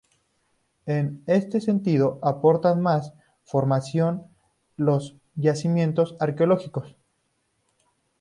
En este sentido, aportan más información los yacimientos arqueológicos.